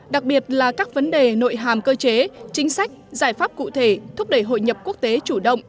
đặc biệt là các vấn đề nội hàm cơ chế chính sách giải pháp cụ thể thúc đẩy hội nhập quốc tế chủ động